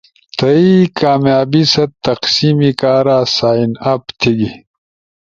تھئی کامیابی ست تقسیم کارا سائن اپ تھیگی